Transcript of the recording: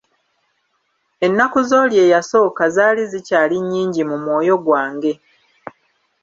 Ennaku z'oli eyasooka zaali zikyali nnyingi mu mwoyo gwange.